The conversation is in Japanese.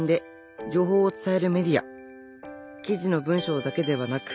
記事の文章だけではなく